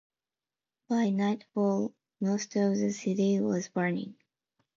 By nightfall, most of the city was burning.